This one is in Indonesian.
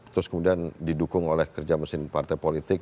terus kemudian didukung oleh kerja mesin partai politik